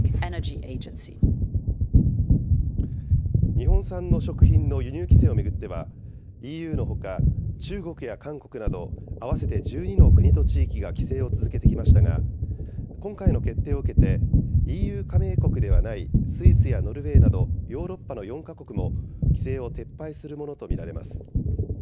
日本産の食品の輸入規制を巡っては、ＥＵのほか、中国や韓国など合わせて１２の国と地域が規制を続けてきましたが、今回の決定を受けて、ＥＵ加盟国ではないスイスやノルウェーなど、ヨーロッパの４か国も、規制を撤廃するものと見られます。